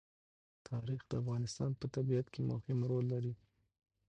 تاریخ د افغانستان په طبیعت کې مهم رول لري.